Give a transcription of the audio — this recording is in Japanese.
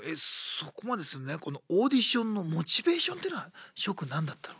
そこまでするねこのオーディションのモチベーションっていうのはショウくん何だったの？